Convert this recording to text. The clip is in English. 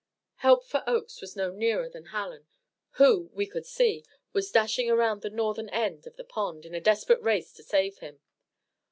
Help for Oakes was no nearer than Hallen, who, we could see, was dashing around the northern end of the pond in a desperate race to save him.